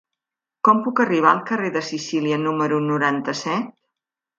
Com puc arribar al carrer de Sicília número noranta-set?